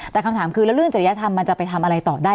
แต่คำถามคือแล้วเรื่องจริยธรรมมันจะไปทำอะไรต่อได้